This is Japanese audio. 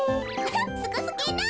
すごすぎる。